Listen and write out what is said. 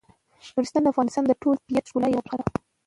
نورستان د افغانستان د ټول طبیعت د ښکلا یوه برخه ده.